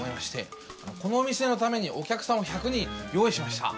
このお店のためにお客さんを１００人用意しました。